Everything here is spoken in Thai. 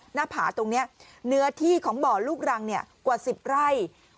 หน้าผาตรงนี้เนื้อที่ของบ่อลูกรังกว่า๑๐ไร่